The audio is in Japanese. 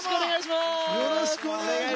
よろしくお願いします。